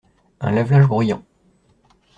Un lave-linge bruyant.